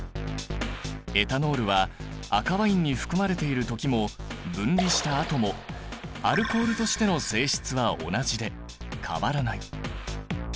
エタノールは赤ワインに含まれている時も分離したあともアルコールとしての性質は同じで変わらない。